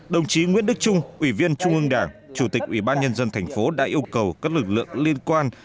đồng chí nguyễn đức trung ủy viên trung ương đảng chủ tịch ủy ban nhân dân thành phố đã yêu cầu các lực lượng liên quan